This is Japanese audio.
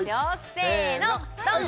せーのドン！